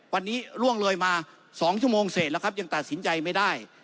วันนี้ล่วงเลยมา๒ชั่วโมงเสร็จแล้วครับยังตัดสินใจไม่ได้